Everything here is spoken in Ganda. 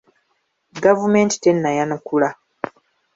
Gavumenti tennayanukula.